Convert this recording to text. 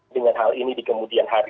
dengan hal ini di kemudian hari